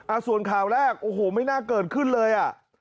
ส่วนข่าวแรกโอ้โหไม่น่าเกิดขึ้นเลยอ่ะ